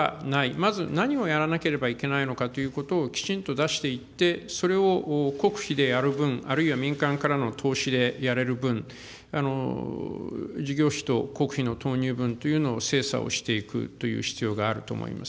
まず何をやらなければいけないのかということを、きちんと出していって、それを国費でやる分、あるいは民間からの投資でやれる分、事業費と国費の投入分というのを精査をしていくという必要があると思います。